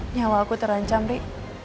nyawa aku terancam ri